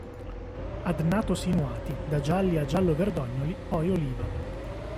Adnato-sinuati, da gialli a giallo-verdognoli poi oliva.